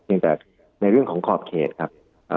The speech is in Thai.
เนื่องจากในเรื่องของขอบเขตครับ